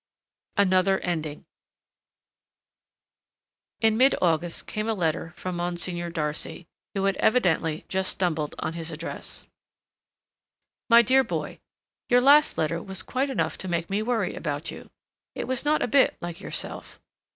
ANOTHER ENDING In mid August came a letter from Monsignor Darcy, who had evidently just stumbled on his address: MY DEAR BOY:— Your last letter was quite enough to make me worry about you. It was not a bit like yourself.